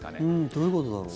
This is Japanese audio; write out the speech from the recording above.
どういうことだろう。